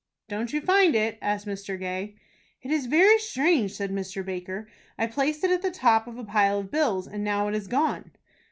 "Don't you find it?" asked Mr. Gay. "It is very strange," said Mr. Baker. "I placed it at the top of a pile of bills, and now it is gone."